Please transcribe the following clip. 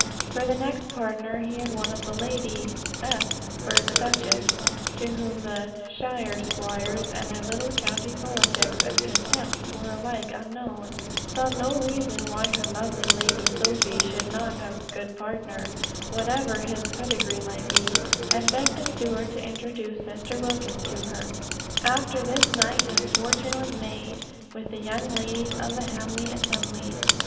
For his next partner he had one of the Lady s; for the duchess, to whom the shire squires and their little county politics and contempts were alike unknown, saw no reason why her lovely Lady Sophy should not have a good partner, whatever his pedigree might be, and begged the stewards to introduce Mr. Wilkins to her. After this night his fortune was made with the young ladies of the Hamley assemblies.